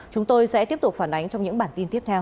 chúng tôi sẽ tiếp tục phản ánh trong những bản tin tiếp theo